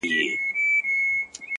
اوس دي لا د حسن مرحله راغلې نه ده;